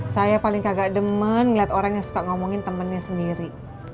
saya paling kagak demen ngeliat orang yang suka ngomongin temennya sendiri